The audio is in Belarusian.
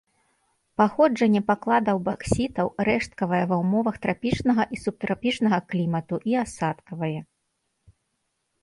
Паходжанне пакладаў баксітаў рэшткавае ва ўмовах трапічнага і субтрапічнага клімату і асадкавае.